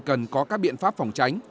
cần có các biện pháp phòng tránh